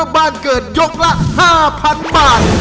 ขอบคุณครับ